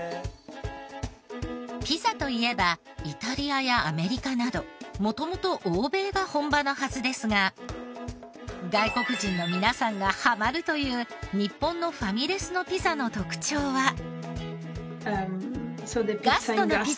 ピザといえばイタリアやアメリカなど元々欧米が本場のはずですが外国人の皆さんがハマるという日本のファミレスのピザの特徴は。